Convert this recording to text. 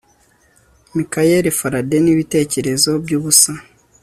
michael faraday nibitekerezo byubusa